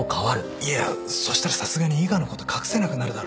いやそしたらさすがに伊賀のこと隠せなくなるだろ。